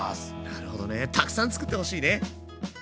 なるほどねたくさん作ってほしいね！